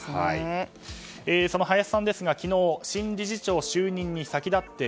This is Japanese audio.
その林さんですが昨日、新理事長就任に先立って